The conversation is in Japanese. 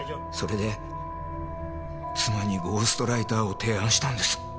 それで妻にゴーストライターを提案したんです。